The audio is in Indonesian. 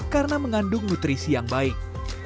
karena mengandung nutrisi yang baik